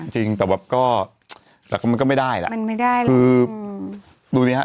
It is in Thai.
จริงแต่แบบก็แต่ก็มันก็ไม่ได้แล้วมันไม่ได้เลยคือดูสิฮะ